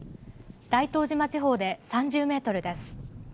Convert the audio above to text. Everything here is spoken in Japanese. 大東島地方で３０メートルです。